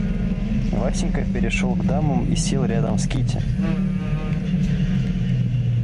Васенька перешел к дамам и сел рядом с Кити.